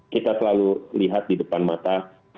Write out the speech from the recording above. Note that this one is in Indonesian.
kita selalu lihat di depan mata